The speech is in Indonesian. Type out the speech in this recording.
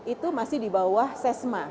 itu masih di bawah sesma